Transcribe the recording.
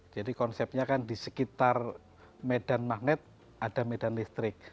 jadi konsepnya kan di sekitar medan magnet ada medan listrik